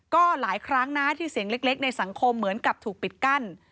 ก็หลายครั้งนะที่เสียงเล็กในสังคมเหมือนกับถูกปิดกั้น